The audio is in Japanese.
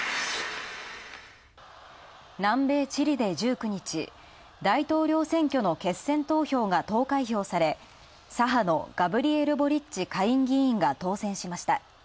南米チリで１９日、大統領選挙の決選投票が投開票され、左派のガブリエル・ボリッチ下院議員が当選しました。